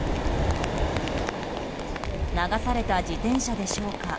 流された自転車でしょうか。